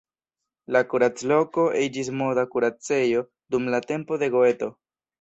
La kuracloko iĝis moda kuracejo dum la tempo de Goeto.